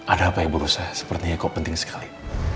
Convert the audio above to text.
ada apa yang perlu saya sepertinya kok penting sekali